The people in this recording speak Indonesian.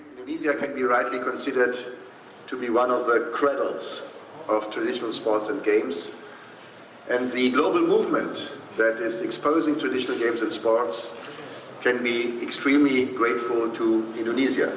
indonesia bisa dipercaya sebagai salah satu kredos dari perang tradisional dan perang global yang menyebarkan perang tradisional dan perang tradisional bisa sangat berterima kasih kepada indonesia